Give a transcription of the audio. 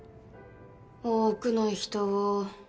多くの人を